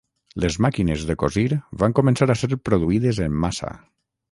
Les màquines de cosir van començar a ser produïdes en massa.